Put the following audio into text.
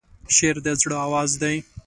شعر د زړه آواز دی.